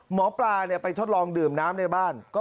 หมอปลานี้ไปทดลองดื่มน้ำในบ้านก็ปกติดี